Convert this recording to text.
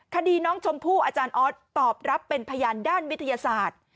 คดีน้องชมพู่อาจารย์ออสตอบรับเป็นพยานด้านวิทยาศาสตร์